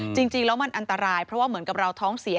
จริงแล้วมันอันตรายเพราะว่าเหมือนกับเราท้องเสีย